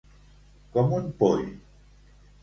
Com un poll.